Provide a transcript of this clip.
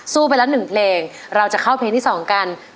ไปแล้ว๑เพลงเราจะเข้าเพลงที่๒กัน